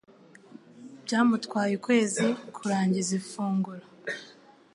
Byamutwaye ukwezi kurangiza ifunguro.